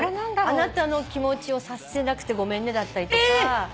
あなたの気持ちを察せなくてごめんねだったりとか。